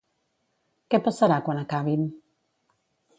Què passarà quan acabin?